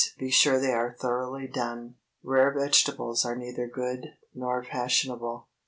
Be sure they are thoroughly done. Rare vegetables are neither good nor fashionable.